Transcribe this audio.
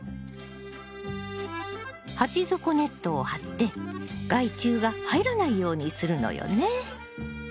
鉢底ネットを貼って害虫が入らないようにするのよね。